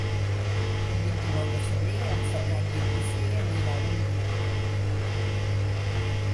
El vint-i-nou de febrer en Ferran i en Guifré aniran a l'Olleria.